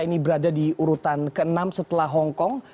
ini berada di urutan ke enam setelah hong kong